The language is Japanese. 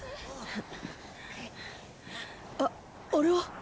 ああれは？